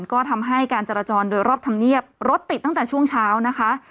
ก็ทำให้การจราจรโดยรอบธรรมเนียบรถติดตั้งแต่ช่วงเช้านะคะ